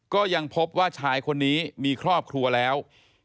ก็ยังพบว่าชายคนนี้มีครอบครัวแล้ว